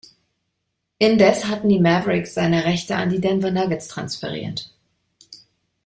Indes hatten die Mavericks seine Rechte an die Denver Nuggets transferiert.